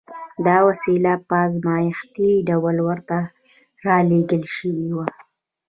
دا وسیله په ازمایښتي ډول ورته را لېږل شوې وه